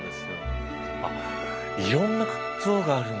あっいろんな像があるんだ。